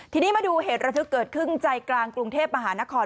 ทีนี้มาดูเหตุระทึกเกิดขึ้นใจกลางกรุงเทพมหานคร